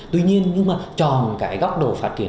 tuy nhiên nhưng mà tròn cái góc độ phát triển